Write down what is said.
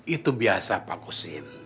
itu biasa pak kusin